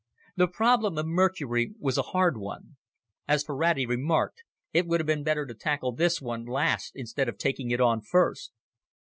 The problem of Mercury was a hard one. As Ferrati remarked, "It would have been better to tackle this one last instead of taking it on first."